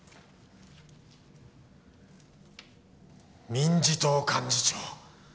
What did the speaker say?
民自党幹事長